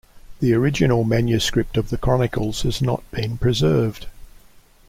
The original manuscript of the chronicles has not been preserved.